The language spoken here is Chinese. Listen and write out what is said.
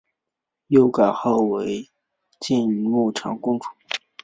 又改号为雍穆长公主。